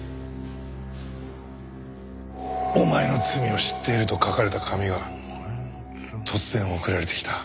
「お前の罪を知っている」と書かれた紙が突然送られてきた。